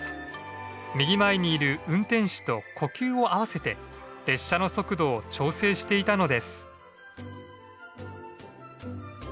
右前にいる運転士と呼吸を合わせて列車の速度を調整していたのです。